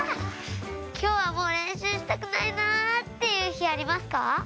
今日はもう練習したくないなっていう日はありますか？